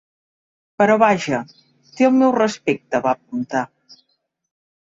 Però vaja, té el meu respecte, va apuntar.